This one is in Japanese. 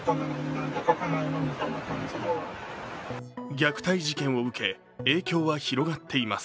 虐待事件を受け影響は広がっています。